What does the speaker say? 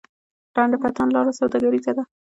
ډنډ پټان لاره سوداګریزه ده؟